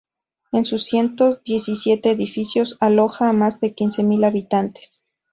En sus ciento diecisiete edificios aloja a más de quince mil habitantes.